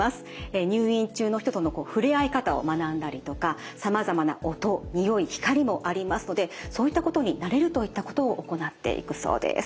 入院中の人との触れ合い方を学んだりとかさまざまな音におい光もありますのでそういったことに慣れるといったことを行っていくそうです。